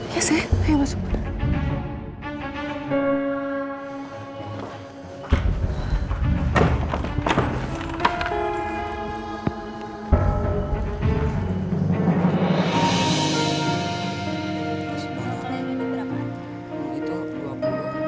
ya sih ayo masuk